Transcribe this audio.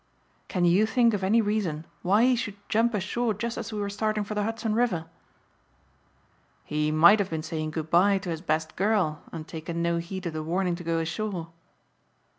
"Can you think of any reason why he should jump ashore just as we were starting for the Hudson River?" "He might have been saying goodbye to his best girl and taken no heed of the warning to go ashore."